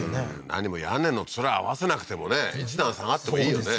何も屋根の面合わせなくてもね１段下がってもいいよね